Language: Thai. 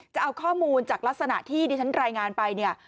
จะเอาข้อมูลจากลักษณะที่ที่ฉันรายงานไป